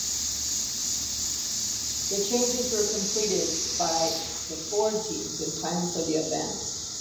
The changes were completed by the Ford teams in time for the event.